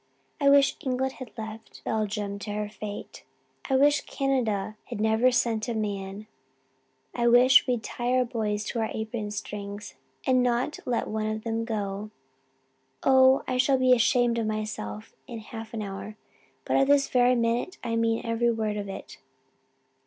I wish England had left Belgium to her fate I wish Canada had never sent a man I wish we'd tied our boys to our apron strings and not let one of them go. Oh I shall be ashamed of myself in half an hour but at this very minute I mean every word of it.